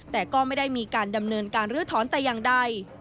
แต่ก็ไม่ได้มีการดำเนินการลื้อถอนแต่อย่างใด